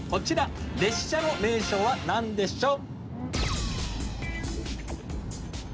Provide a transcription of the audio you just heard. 列車の名称は何でしょう？